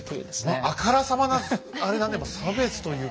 もうあからさまなあれだね差別というかまあ。